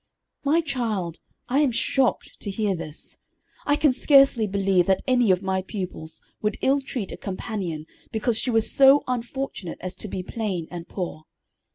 "My child, I am shocked to hear this. I can scarcely believe that any of my pupils would ill treat a companion because she was so unfortunate as to be plain and poor.